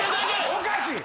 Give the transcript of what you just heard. おかしい！